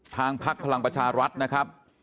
ทางภักดิ์พลังประชารัฐนะครับ